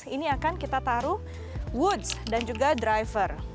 ini akan kita taruh woods dan juga driver